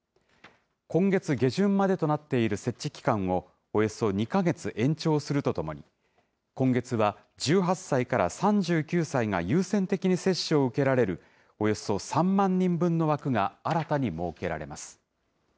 今月下旬までとなっている設置期間を、およそ２か月延長するとともに、今月は、１８歳から３９歳が優先的に接種を受けられる、およそ３万人分の枠が新たに設けられます。